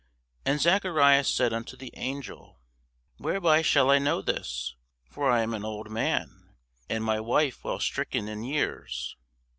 And Zacharias said unto the angel, Whereby shall I know this? for I am an old man, and my wife well stricken in years.